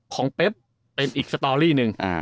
ของเป๊บเป็นอีกสตอรี่นึง